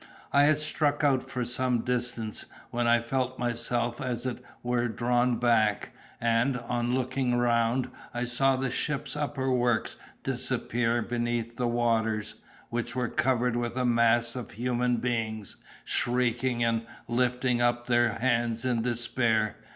I had struck out for some distance, when I felt myself as it were drawn back, and, on looking round, I saw the ship's upper works disappear beneath the waters, which was covered with a mass of human beings, shrieking and lifting up their hands in despair.